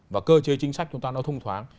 và cơ chế chính sách chúng ta nó thông thoáng